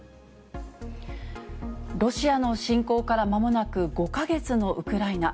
ロシアの侵攻からまもなく５か月のウクライナ。